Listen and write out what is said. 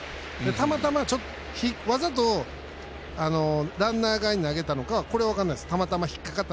たまたま、わざとランナー側に投げたのかはこれは分からないです。